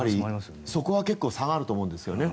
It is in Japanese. そこは結構差があると思うんですよね。